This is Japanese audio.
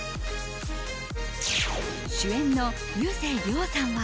主演の竜星涼さんは。